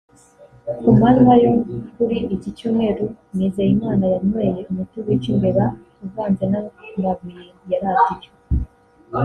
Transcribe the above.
Ku manywa yo kuri iki Cyumweru Nizeyimana yanyweye umuti wica imbeba uvanze n’amabuye ya radiyo